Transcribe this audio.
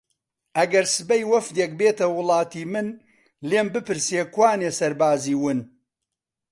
ئەگەر سبەی وەفدێک بێتە وڵاتی من لێم بپرسێ کوانێ سەربازی ون